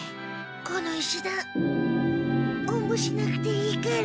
この石だんおんぶしなくていいから。